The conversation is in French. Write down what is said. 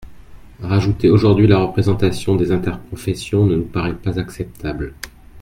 Rajouter aujourd’hui la représentation des interprofessions ne nous paraît pas acceptable.